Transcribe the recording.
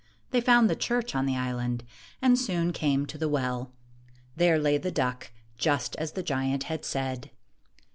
They found the church on the island, and soon came to the well. There lay the duck, just as the giant had said.